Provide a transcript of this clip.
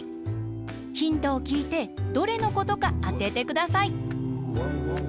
ヒントをきいてどれのことかあててください。